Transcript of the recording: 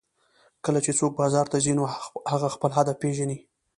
کله چې څوک بازار ته ځي نو هغه خپل هدف پېژني